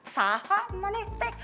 saha emaneh teh